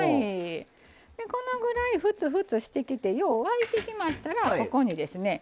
このぐらいフツフツしてきてよう沸いてきましたらここにですね